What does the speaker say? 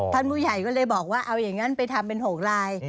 ท่านผู้ใหญ่ก็เลยบอกว่าเอาอย่างนั้นไปทำเป็น๖ลาย